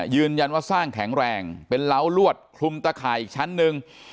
ยืนยันว่าสร้างแข็งแรงเป็นเล้าลวดคลุมตะข่ายอีกชั้นหนึ่ง